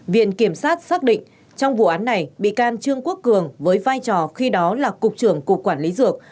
viện kiểm sát xác định trong vụ án này bị can trương quốc cường với vai trò khi đó là cục trưởng cục quản lý dược